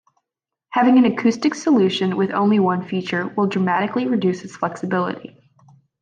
Having an acoustic solution with only one feature will dramatically reduce its flexibility.